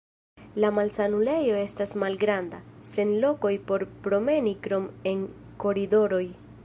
La malsanulejo estas malgranda, sen lokoj por promeni krom en koridoroj.